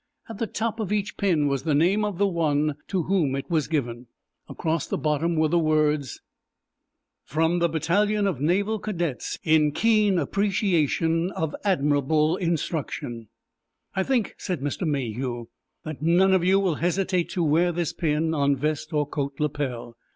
At the top of each pin was the name of the one to whom it was given. Across the bottom were the words: FROM THE BATTALION OF NAVAL CADETS IN KEEN APPRECIATION OF ADMIRABLE INSTRUCTION "I think," said Mr. Mayhew, "that none of you will hesitate to wear this pin on vest or coat lapel.